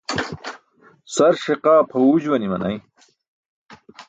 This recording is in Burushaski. Sar ṣiqaa pʰaẏuu juwan i̇manay.